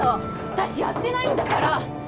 私やってないんだから！